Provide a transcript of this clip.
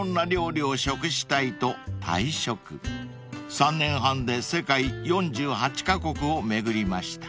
［３年半で世界４８カ国を巡りました］